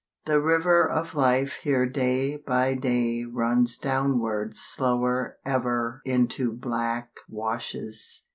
The river Of life here day by day Runs downward slower ever Into black washes.